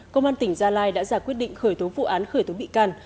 công an tỉnh gia lai đã ra quyết định khởi tố vụ án khởi tố bị can